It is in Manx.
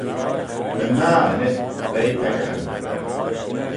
Yn nah ynnyd, leih peccaghyn.